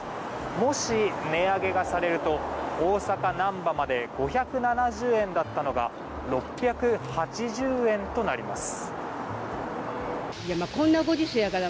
もし、値上げがされると大阪難波まで５７０円だったのが６８０円となります。